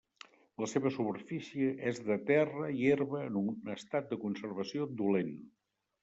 La seva superfície és de terra i herba en un estat de conservació dolent.